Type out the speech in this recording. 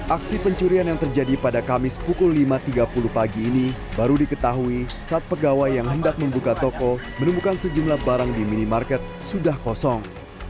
aksi pencurian yang terjadi pada kamis pukul lima tiga puluh pagi ini baru diketahui saat pegawai yang hendak membuka toko menemukan sejumlah barang di minimarket sudah kosong